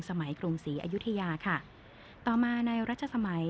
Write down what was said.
กรุงศรีอยุธยาค่ะต่อมาในรัชสมัย